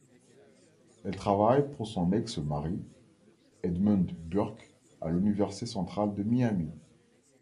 Elle travaille pour son ex-mari, Edmund Burke, à l'Université centrale de Miami.